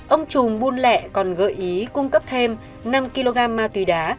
ông trùm buôn lẹ còn gợi ý cung cấp thêm năm kg ma túy đá